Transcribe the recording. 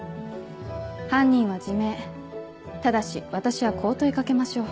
犯人は自明ただし私はこう問い掛けましょう。